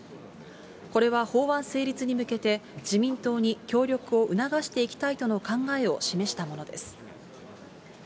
これは法案成立に向けて、自民党に協力を促していきたいとの考えを示したものです。